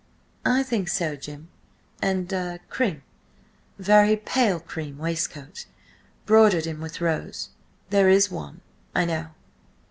"I think so, Jim. And a cream–very pale cream waistcoat, broidered in with rose. There is one, I know."